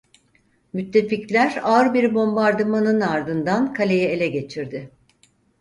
Müttefikler ağır bir bombardımanın ardından kaleyi ele geçirdi.